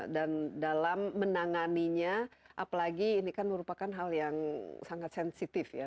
dan dalam menanganinya apalagi ini kan merupakan hal yang sangat sensitif ya